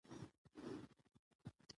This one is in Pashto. غزني د افغانستان د کلتوري میراث برخه ده.